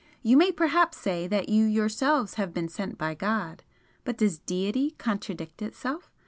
You may perhaps say that you yourselves have been sent by God but does Deity contradict Itself?